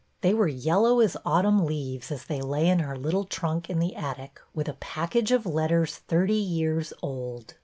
They were yellow as autumn leaves as they lay in her little trunk in the attic with a package of letters thirty years old